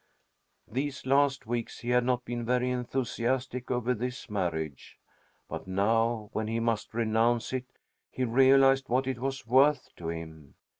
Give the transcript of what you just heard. These last weeks he had not been very enthusiastic over this marriage. But now, when he must renounce it, he realized what it was worth to him.